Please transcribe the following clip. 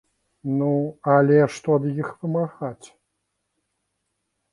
Ну, але што ад іх вымагаць?